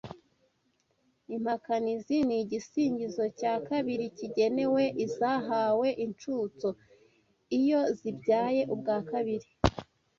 ImpakaniziNi igisingizo cya kabiri kigenewe izahawe incutso iyo zibyaye ubwa kabiri